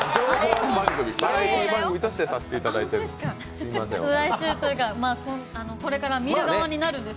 バラエティー番組としてさせていただいてます。